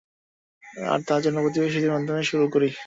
আর তা যেন প্রতিবেশীদের মাধ্যমে শুরু করি।